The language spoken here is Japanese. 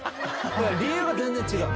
理由が全然違うの。